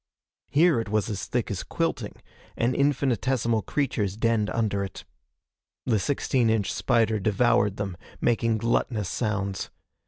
Here it was thick as quilting, and infinitesimal creatures denned under it. The sixteen inch spider devoured them, making gluttonous sounds.